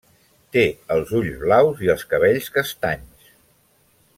Té els ulls blaus i els cabells castanys.